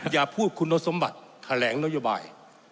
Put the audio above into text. อย่าพูดคุณสมบัติแถลงนโยบาย